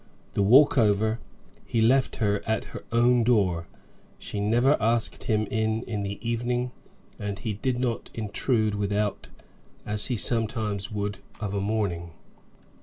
The walk over, he left her at her own door; she never asked him in in the evening, and he did not intrude without, as he sometimes would of a morning.